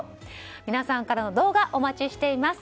皆さんからの動画お待ちしています。